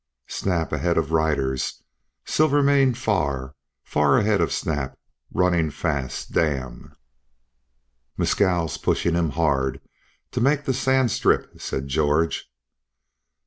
"Snap ahead of riders Silvermane far, far ahead of Snap running fast damn!" "Mescal's pushing him hard to make the sand strip," said George.